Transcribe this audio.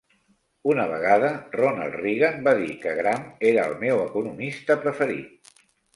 Una vegada, Ronald Reagan va dir que Gramm era el meu economista preferit.